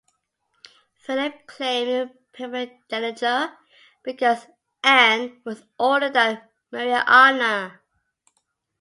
Philip claimed primogeniture because Anne was older than Maria Anna.